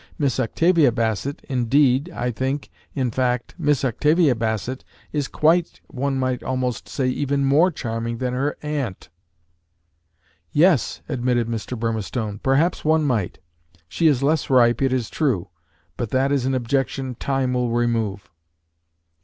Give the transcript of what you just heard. Miss Octavia Bassett indeed I think in fact, Miss Octavia Bassett is quite, one might almost say even more, charming than her aunt." "Yes," admitted Mr. Burmistone; "perhaps one might. She is less ripe, it is true; but that is an objection time will remove."